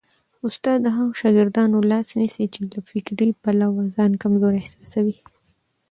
استاد د هغو شاګردانو لاس نیسي چي له فکري پلوه ځان کمزوري احساسوي.